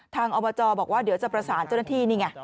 อบจบอกว่าเดี๋ยวจะประสานเจ้าหน้าที่นี่ไง